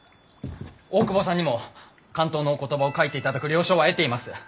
大窪さんにも巻頭のお言葉を書いていただく了承は得ています。